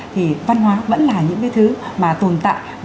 thì nó vẫn là những cái thứ mà tồn tại